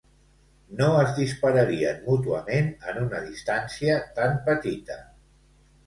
No es dispararien mútuament en una distància tan petita.